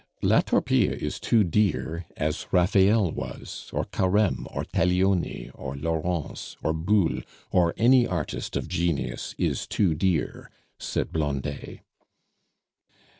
"La Torpille is too dear, as Raphael was, or Careme, or Taglioni, or Lawrence, or Boule, or any artist of genius is too dear," said Blondet.